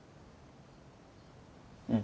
うん。